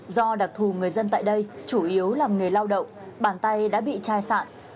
do đặc thù người dân tại đây chủ yếu là người lao động bàn tay đã bị chai sạn